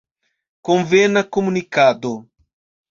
Konvena komunikado.